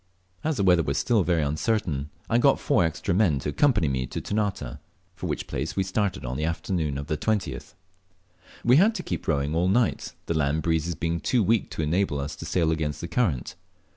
As the weather was still very uncertain, I got four extra men to accompany me to Ternate, for which place we started on the afternoon of the 20th. We had to keep rowing all night, the land breezes being too weak to enable us to sail against the current.